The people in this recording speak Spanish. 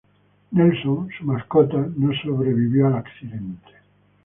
Nelson, su mascota, no sobrevivió al accidente.